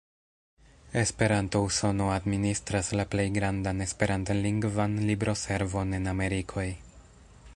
Esperanto-Usono administras la plej grandan Esperant-lingvan libro-servon en Amerikoj.